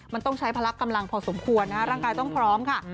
มันต้องใช้พละกำลังพอสมควรนะร่างกายต้องพร้อมค่ะ